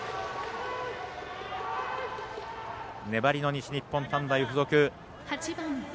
粘りの西日本短大付属。